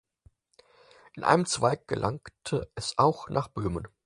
In einem Zweig gelangte es auch nach Böhmen.